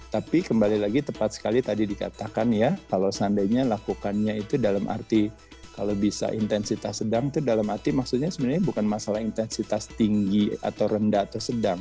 tapi kembali lagi tepat sekali tadi dikatakan ya kalau seandainya lakukannya itu dalam arti kalau bisa intensitas sedang itu dalam arti maksudnya sebenarnya bukan masalah intensitas tinggi atau rendah atau sedang